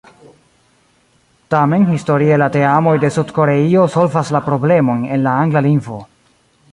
Tamen historie la teamoj de Sud-Koreio solvas la problemojn en la angla lingvo.